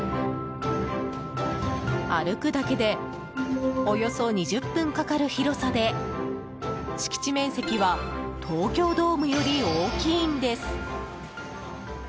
歩くだけでおよそ２０分かかる広さで敷地面積は東京ドームより大きいんです。